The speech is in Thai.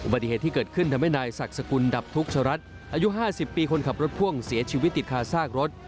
ปฏิเหตุที่เกิดขึ้นทำให้นายศักดิ์สกุลดับทุกข์ชรัฐอายุ๕๐ปีคนขับรถพ่วงเสียชีวิตติดคาซากรถ